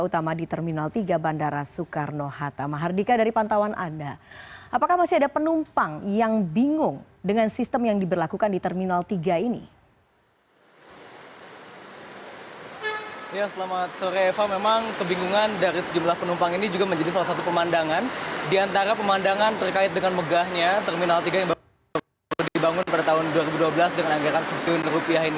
terminal tiga yang baru dibangun pada tahun dua ribu dua belas dengan anggaran satu lima miliar rupiah ini